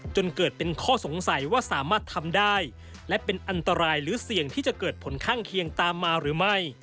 จนเกิดเป็นข้อสงสัยว่าสามารถทำได้และเป็นอันตรายหรือเสี่ยงที่จะเกิดผลข้างเคียงตามมาหรือไม่